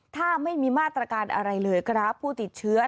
ถ้าไม่มีมาตรการอะไรเลยครับผู้ติดเชื้อ